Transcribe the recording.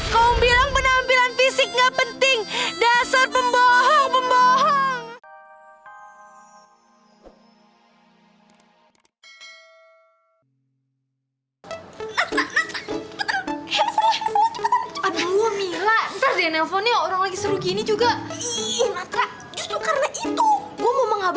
kom bilang penampilan fisik gak penting dasar pembohong pembohong